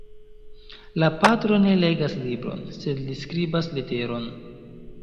La patro ne legas libron, sed li skribas leteron.